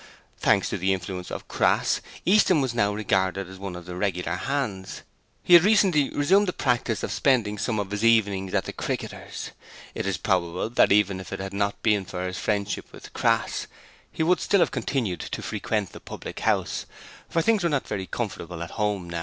Thanks to the influence of Crass, Easton was now regarded as one of the regular hands. He had recently resumed the practice of spending some of his evenings at the Cricketers. It is probable that even if it had not been for his friendship with Crass, he would still have continued to frequent the public house, for things were not very comfortable at home.